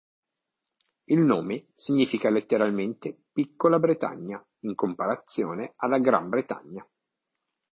Il nome significa letteralmente "piccola Bretagna", in comparazione alla Gran Bretagna.